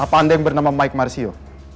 apa anda yang bernama mike marsio